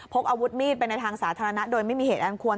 กอาวุธมีดไปในทางสาธารณะโดยไม่มีเหตุอันควร